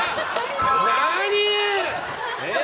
何？